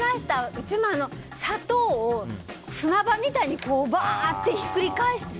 うちも砂糖を砂場みたいにバーってひっくり返して。